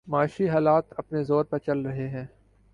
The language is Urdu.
معاشی حالات اپنے زور پہ چل رہے ہیں۔